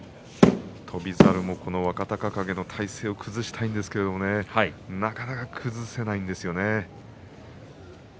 翔猿も若隆景の体勢を崩したいんですがなかなか崩せないんですよね。